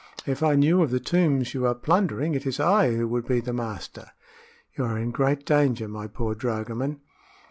If I knew of the tombs you are plundering, it is I who would be the master!" "You are in great danger, my poor dragoman."